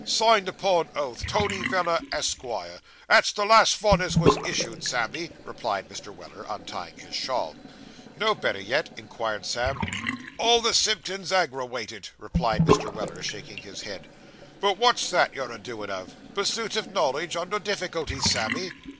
Signed upon oath, Tony Veller, Esquire. That's the last vun as was issued, Sammy,' replied Mr. Weller, untying his shawl. 'No better yet?' inquired Sam. 'All the symptoms aggerawated,' replied Mr. Weller, shaking his head. 'But wot's that, you're a doin' of? Pursuit of knowledge under difficulties, Sammy?